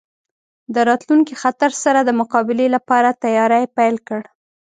د راتلونکي خطر سره د مقابلې لپاره تیاری پیل کړ.